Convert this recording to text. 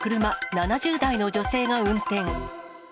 ７０代の女性が運転。